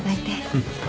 うん。